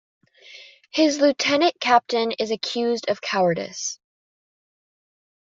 His lieutenant captain is accused of cowardice.